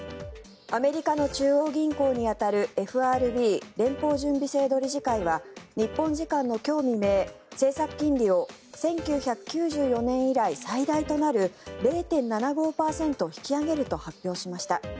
アメリカの中央銀行に当たるＦＲＢ・連邦準備制度理事会は日本時間の今日未明、政策金利を１９９４年以来最大となる０．７５％引き上げると発表しました。